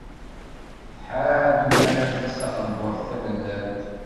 Tḥar melmi ara tels taqendurt tamellalt.